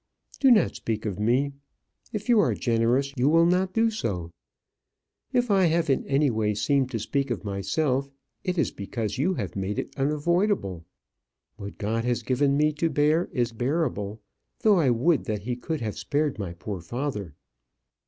"Do not speak of me. If you are generous, you will not do so. If I have in any way seemed to speak of myself, it is because you have made it unavoidable. What God has given me to bear is bearable; though I would that he could have spared my poor father."